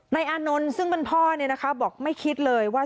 ในอนุลซึ่งพ่อบอกไม่คิดเลยว่า